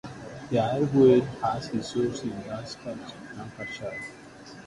The Irwell has its source in Lancashire.